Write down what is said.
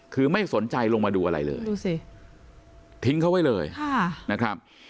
คือไม่สนใจลงมาดูอะไรเลยดูสิทิ้งเขาไว้เลยนะครับ